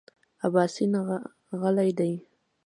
اباسین غلی دی .